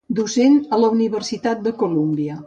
Docent a la Universitat de Colúmbia.